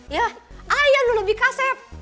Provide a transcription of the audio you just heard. yah ayah lu lebih kaset